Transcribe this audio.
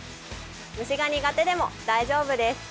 虫が苦手でも大丈夫です。